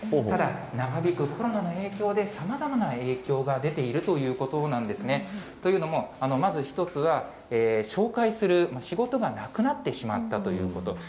ただ、長引くコロナの影響でさまざまな影響が出ているということなんですね。というのも、まず１つは、紹介する仕事がなくなってしまったということ。